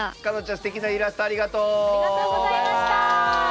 すてきなイラストありがとう。